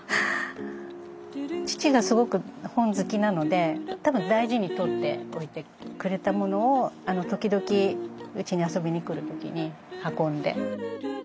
父がすごく本好きなので多分大事に取っておいてくれたものを時々うちに遊びに来る時に運んで。